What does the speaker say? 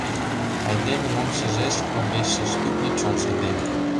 Айдеме мом шижеш, — Огеш шиж кӱртньӧ чонжо ден.